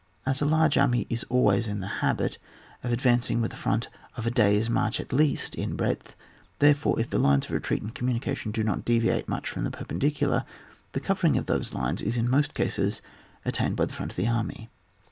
— ^As a large army is always in the habit of advancing with a frt)nt of a day's march at least in breadth, therefore, if the lines of retreat and communication do not deviate much from the perpen dicular, the covering of those lines is in most cases attained by the front of the army.